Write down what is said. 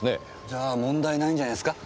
じゃあ問題ないんじゃないすか？